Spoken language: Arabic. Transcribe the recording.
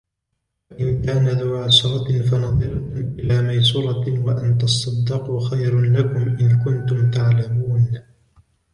وإن كان ذو عسرة فنظرة إلى ميسرة وأن تصدقوا خير لكم إن كنتم تعلمون